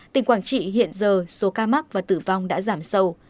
tỉnh quảng trị hiện giờ số ca mắc và tử vong đã giảm sâu